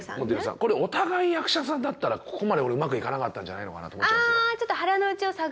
これお互い役者さんだったらここまで俺うまくいかなかったんじゃないのかなと思っちゃうんですよ。